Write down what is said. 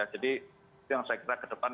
jadi itu yang saya kira ke depan